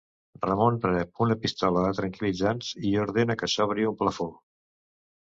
Ramon rep una pistola de tranquil·litzants i ordena que s'obri un plafó.